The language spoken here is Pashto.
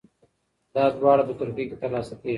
دا دواړه په ترکیه کې ترلاسه کیږي.